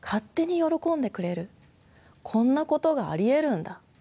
「こんなことがありえるんだ」。